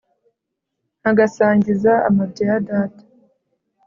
nkagasangiza amabya ya data